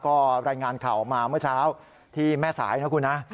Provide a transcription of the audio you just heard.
ก็รายงานข่าวออกมาเมื่อเช้าที่แม่สายนะคุณนะ